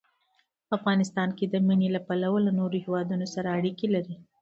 افغانستان د منی له پلوه له نورو هېوادونو سره اړیکې لري.